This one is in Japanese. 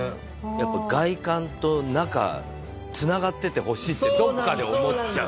やっぱ外観と中繋がっててほしいってどっかで思っちゃう。